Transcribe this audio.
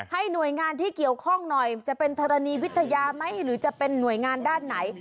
หน่วยงานที่เกี่ยวข้องหน่อยจะเป็นธรณีวิทยาไหมหรือจะเป็นหน่วยงานด้านไหน